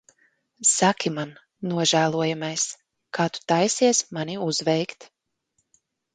Saki man, nožēlojamais, kā tu taisies mani uzveikt?